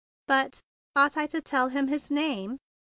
"But—ought I to tell him his name?"